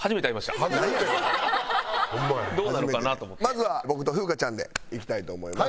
まずは僕と風花ちゃんでいきたいと思います。